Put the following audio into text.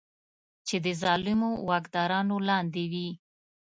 چې د ظالمو واکدارانو لاندې وي.